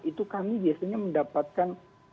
itu kami biasanya mendapatkan